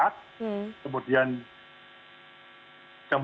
kemudian jam dua belas dua tiga puluh